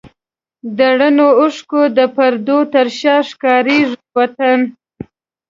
د رڼو اوښکو د پردو تر شا ښکارېږي وطن